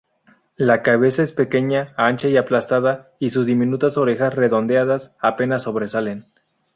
La cabeza es pequeña, ancha y aplastada, y sus diminutas orejas redondeadas apenas sobresalen.